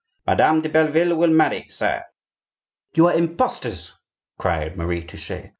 "Madame de Belleville will marry, sire." "You are imposters!" cried Marie Touchet.